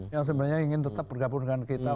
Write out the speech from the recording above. yang sebenarnya ingin tetap bergabung dengan kita